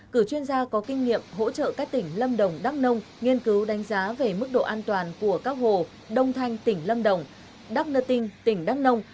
cử chuyên gia có kinh nghiệm hỗ trợ các tỉnh lâm đồng đắk nông nghiên cứu đánh giá về mức độ an toàn của các hồ đông thanh tỉnh lâm đồng đắk nơ tinh tỉnh đắk nông